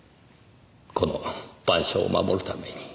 この『晩鐘』を守るために。